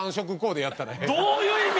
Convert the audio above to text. どういう意味？